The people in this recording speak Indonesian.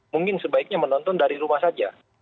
mungkin sebaiknya menonton dari rumah saja